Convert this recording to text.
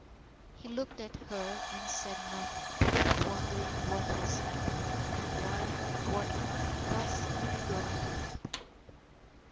He looked at her and said nothing, wondering what was happening and what might possibly be going to happen.